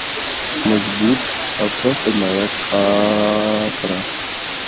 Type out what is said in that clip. مضبوط باضابطہ سرمایہ کی طرح